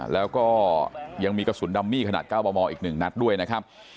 แล้วก็ยังมีกระสุนดัมมี่ขนาด๙มมอีก๑นัดด้วยนะครับ